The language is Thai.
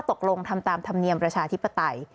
ตกลงทำตามธรรมเนียมประชาธิปไตย